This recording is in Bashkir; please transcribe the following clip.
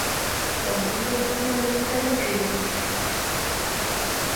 Уның бөгөн күңеле күтәренке ине.